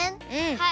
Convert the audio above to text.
はい。